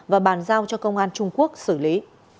và bàn giao cho công an trung quốc xử lý